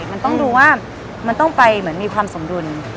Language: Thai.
มันต้องรู้ว่ามันต้องไปเหมือนมีความสมดุล